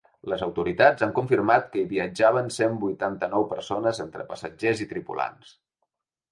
Les autoritats han confirmat que hi viatjaven cent vuitanta-nou persones entre passatgers i tripulants.